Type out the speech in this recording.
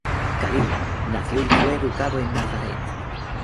Khalil nació y fue educado en Nazaret.